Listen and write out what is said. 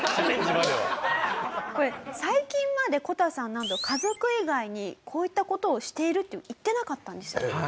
なんと家族以外にこういった事をしているって言ってなかったんですよ。